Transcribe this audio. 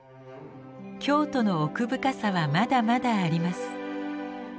京都の奥深さはまだまだあります。